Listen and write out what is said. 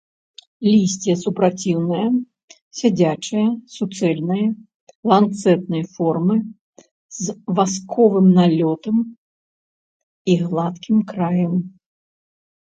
Лісце супраціўнае, сядзячае, суцэльнае, ланцэтнай формы, з васковым налётам і гладкім краем.